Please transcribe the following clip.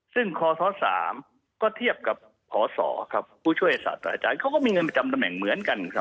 ซึ่งคศ๓ก็เทียบกับพศครับผู้ช่วยศาสตราอาจารย์เขาก็มีเงินประจำตำแหน่งเหมือนกันครับ